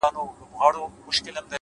پوهه د محدودو افکارو کړکۍ پرانیزي’